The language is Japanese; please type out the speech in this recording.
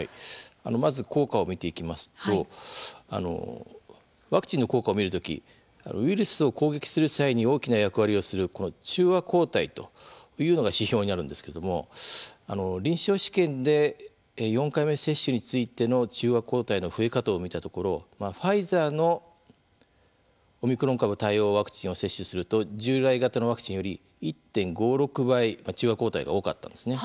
まず効果を見ていきますとワクチンの効果を見る時ウイルスを攻撃する際に大きな役割をする中和抗体というのが指標になるんですけれど臨床試験で４回目接種についての中和抗体の増え方を見たところファイザーのオミクロン株対応ワクチンを接種すると従来型のワクチンより１．５６倍中和抗体が多かったんですね。